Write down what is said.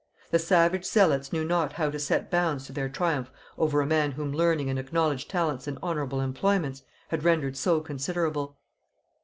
The savage zealots knew not how to set bounds to their triumph over a man whom learning and acknowledged talents and honorable employments had rendered so considerable.